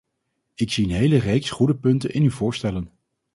Ik zie een hele reeks goede punten in uw voorstellen.